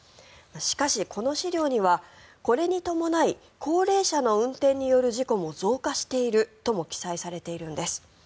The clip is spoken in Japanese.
しかし、この資料にはこれに伴い高齢者の運転による事故も増加しているとも記載されているんです。